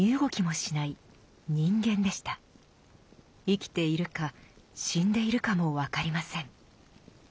生きているか死んでいるかも分かりません。